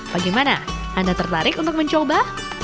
bagaimana anda tertarik untuk mencoba